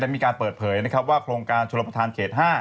มีการเปิดเผยว่าโครงการชุมประทานเขต๕